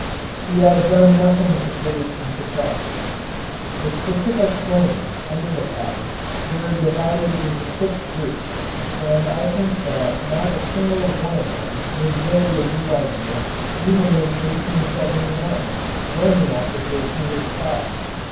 He had done nothing to put it into practice. The specific claims under the patent were divided into six groups and I think that not a single one of them was a really new idea even in 1879 when the application was filed.